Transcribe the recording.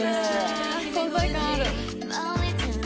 存在感ある！